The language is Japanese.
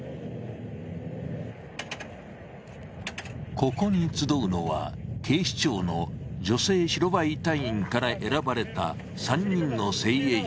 ここに集うのは警視庁の女性白バイ隊員から選ばれた３人の精鋭たち。